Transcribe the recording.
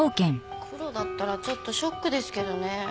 クロだったらちょっとショックですけどね。